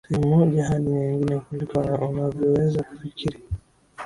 sehemu moja hadi nyingine kuliko unavyoweza kufikiri